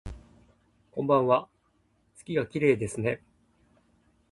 こんばんわ、月がきれいですね